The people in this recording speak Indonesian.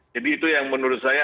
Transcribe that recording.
jadi itu yang menurut saya